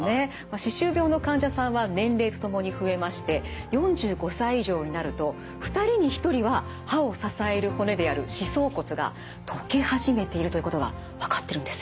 歯周病の患者さんは年齢と共に増えまして４５歳以上になると２人に１人は歯を支える骨である歯槽骨が溶け始めているということが分かってるんですよ。